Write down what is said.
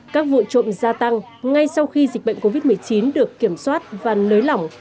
các vụ trộm gia tăng ngay sau khi dịch bệnh covid một mươi chín được kiểm soát và nới lỏng